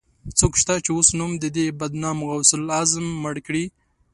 څوک شته، چې اوس نوم د دې بدنام غوث العظم مړ کړي